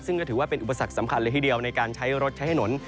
ซึ่งก็ถือว่าเป็นอุปสรรคสำคัญเลยทีเดียวในการใช้รถใช้ถนน